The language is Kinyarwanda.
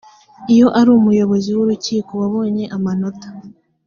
iyo ari umuyobozi w urukiko wabonye amanota